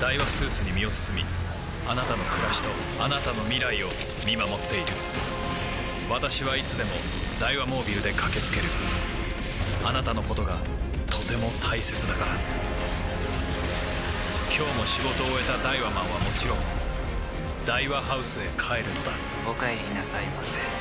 ダイワスーツに身を包みあなたの暮らしとあなたの未来を見守っている私はいつでもダイワモービルで駆け付けるあなたのことがとても大切だから今日も仕事を終えたダイワマンはもちろんダイワハウスへ帰るのだお帰りなさいませ。